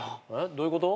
どういうこと？